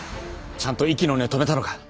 ちゃんと息の根を止めたのか？